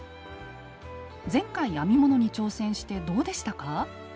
前回編み物に挑戦してどうでしたか？